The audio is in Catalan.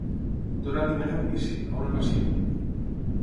Donar aliment a un vici, a una passió.